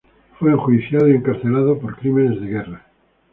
Fue enjuiciado y encarcelado por crímenes de guerra.